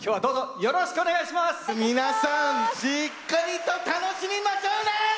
皆さんしっかりと楽しみましょうね！